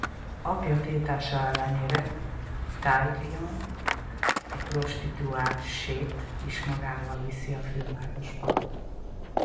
Apja tiltása ellenére Tyrion a prostituált Shae-t is magával viszi a fővárosba.